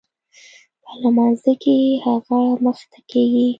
په لمانځه کښې هغه مخته کېږي.